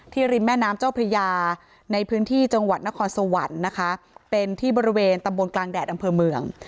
ริมแม่น้ำเจ้าพระยาในพื้นที่จังหวัดนครสวรรค์นะคะเป็นที่บริเวณตำบลกลางแดดอำเภอเมือง